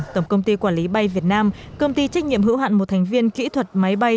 tổng công ty quản lý bay việt nam công ty trách nhiệm hữu hạn một thành viên kỹ thuật máy bay